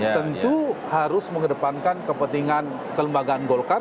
tentu harus mengedepankan kepentingan kelembagaan golkar